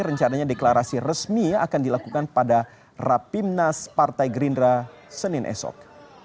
rencananya deklarasi resmi akan dilakukan pada rapimnas partai gerindra senin esok